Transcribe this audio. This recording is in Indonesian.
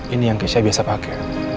ini yang keisha biasa pake